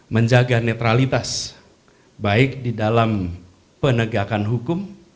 menjaga netralitas baik di dalam penegakan hukum